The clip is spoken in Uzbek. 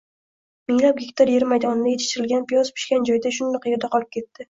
minglab gektar yer maydonida yetishtirilgan piyoz pishgan joyida shundoq yerda qolib ketdi...